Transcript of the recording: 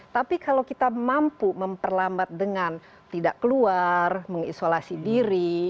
tapi kalau kita mampu memperlambat dengan tidak keluar mengisolasi diri